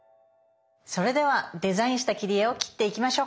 それではデザインした切り絵を切っていきましょう。